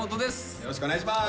よろしくお願いします。